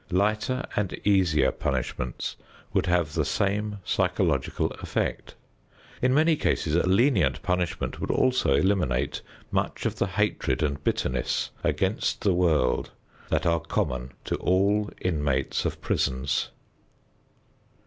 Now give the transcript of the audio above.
Lighter and easier punishments would have the same psychological effect. In many cases a lenient punishment would also eliminate much of the hatred and bitterness against the world that are common to all inmates of prisons.